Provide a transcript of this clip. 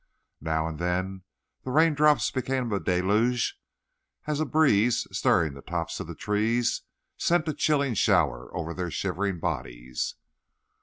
Now and then the raindrops became a deluge as a breeze, stirring the tops of the trees, sent a chilling shower over their shivering bodies.